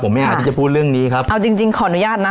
ไม่อาจที่จะพูดเรื่องนี้ครับเอาจริงจริงขออนุญาตนะ